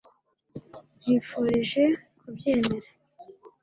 nkwifurije kubyemera